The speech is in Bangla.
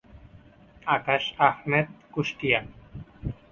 আকাশ আহমেদ, কুষ্টিয়া।